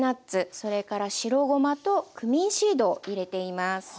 それから白ごまとクミンシードを入れています。